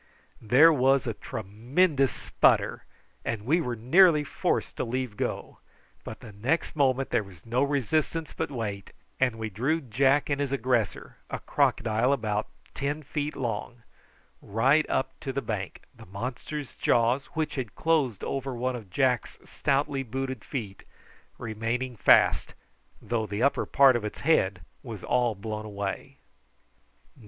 There was a tremendous sputter and we were nearly forced to leave go, but the next moment there was no resistance but weight, and we drew Jack and his aggressor, a crocodile about ten feet long, right up to the bank, the monster's jaws, which had closed over one of Jack's stoutly booted feet, remaining fast, though the upper part of its head was all blown away.